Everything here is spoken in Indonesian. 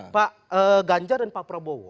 pak ganjar dan pak prabowo